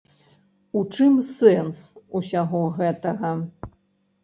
У чым сэнс усяго гэтага?